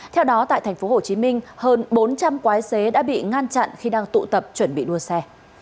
theo đó tại tp hcm hơn bốn trăm linh quái xế đã bị ngăn chặn khi đang tụ tập chuẩn bị đua xe